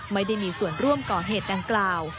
ไม่ได้มีส่วนร่วมก่อเหตุดังกล่าว